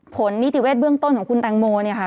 นิติเวทเบื้องต้นของคุณแตงโมเนี่ยค่ะ